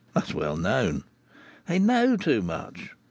That's well known. They know too much.